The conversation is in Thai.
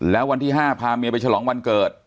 แล้ววันที่๕พาเมียไปฉลองวันเกิด